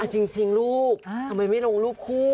จริงรูปทำไมไม่ลงรูปคู่